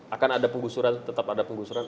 akan ada pengusuran tetap ada pengusuran